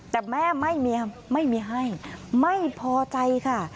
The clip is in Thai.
แต่แม่ไม่เมียไม่มีให้ไม่พอใจค่ะ